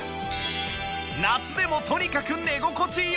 夏でもとにかく寝心地良し！